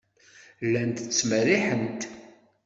Llant ttmerriḥent.